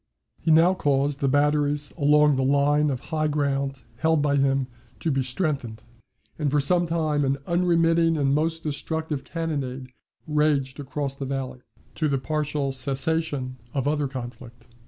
He now caused the batteries along the line of high ground held by him to be strengthened, and for some time an unremitting and most destructive cannonade raged across the valley, to the partial cessation of other conflict.